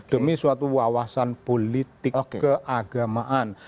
demi suatu wawasan politik keagamaan